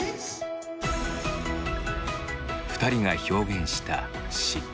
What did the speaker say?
２人が表現した「嫉妬」。